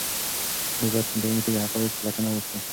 موږ باید په انټرنيټ کې د حقایقو پلټنه وکړو.